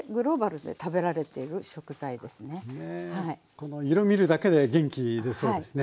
この色見るだけで元気出そうですね。